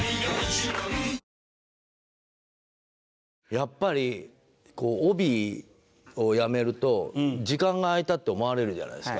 やっぱりこう帯を辞めると時間が空いたって思われるじゃないですか。